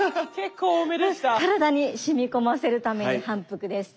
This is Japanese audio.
体にしみこませるために反復です。